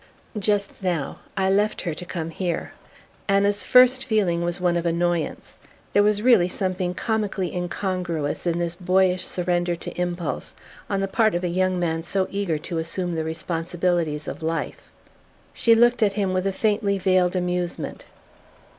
"Just now. I left her to come here." Anna's first feeling was one of annoyance. There was really something comically incongruous in this boyish surrender to impulse on the part of a young man so eager to assume the responsibilities of life. She looked at him with a faintly veiled amusement.